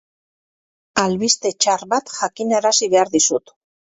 Albiste txar bat jakinarazi behar dizut.